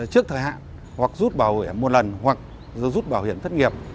trước thời hạn hoặc rút bảo hiểm một lần hoặc rút bảo hiểm thất nghiệp